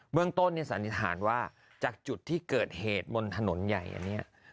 เมืองต้นสันนิษฐานว่าจากจุดที่เกิดเหตุบนถนนใหญ่อันนี้